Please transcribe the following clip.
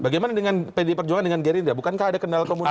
bagaimana dengan pdi perjuangan dengan gerindra bukankah ada kendala komunikasi